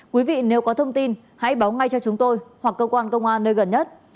quý vị nếu có thông tin hãy báo ngay cho chúng tôi hoặc cơ quan công an nơi gần nhất